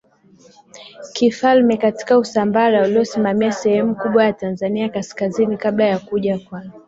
kifalme katika Usambara uliosimamia sehemu kubwa ya Tanzania ya kaskazini kabla ya kuja kwa